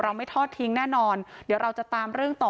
ไม่ทอดทิ้งแน่นอนเดี๋ยวเราจะตามเรื่องต่อ